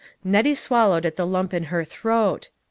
Nettie swallowed at the lump in her throat.